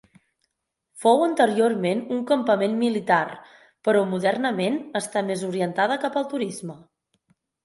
Fou anteriorment un campament militar, però modernament està més orientada cap al turisme.